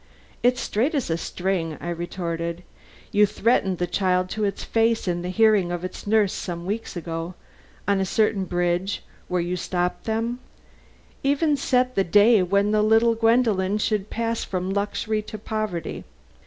"It's straight as a string," I retorted. "You threatened the child to its face in the hearing of its nurse some two weeks ago, on a certain bridge where you stopped them. You even set the day when the little Gwendolen should pass from luxury to poverty."